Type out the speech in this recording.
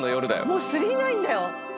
もう『９９９』だよ。